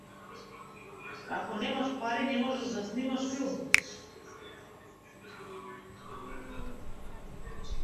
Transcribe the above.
Ако немаш пари, не можеш да снимаш филм.